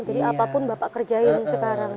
jadi apapun bapak kerjain sekarang